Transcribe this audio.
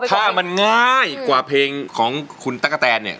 ถ้ามันง่ายกว่าเพลงของคุณตั๊กกะแตนเนี่ย